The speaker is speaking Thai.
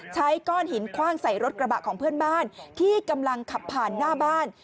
ใช้ก้อนหินคว่างใส่รถกระบะของเพื่อนบ้านที่กำลังขับผ่านหน้าบ้าน